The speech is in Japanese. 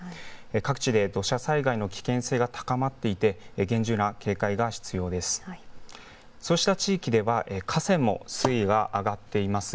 各地で土砂災害の危険性が高まっていて厳重な警戒が必要です。